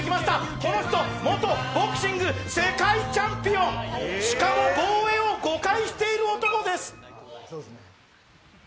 この人、元ボクシング世界チャンピオン、しかも防衛を５回してる男です。